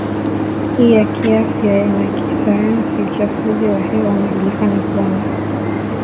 i ya kiafya na kisayansi Uchafuzi wa hewa unajulikana kuwa na